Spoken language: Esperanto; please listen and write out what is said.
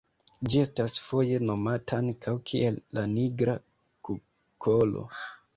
Ĝi estas foje nomata ankaŭ kiel la nigra kukolo.